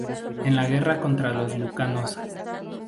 En la guerra contra los lucanos.